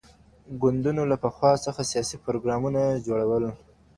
ګوندونو له پخوا څخه سياسي پروګرامونه جوړول.